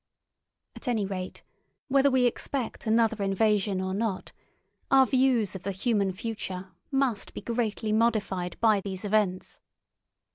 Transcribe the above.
At any rate, whether we expect another invasion or not, our views of the human future must be greatly modified by these events.